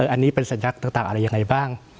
อันนี้เป็นสัญลักษณ์ต่างอะไรยังไงบ้าง